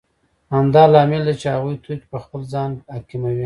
همدا لامل دی چې هغوی توکي په خپل ځان حاکموي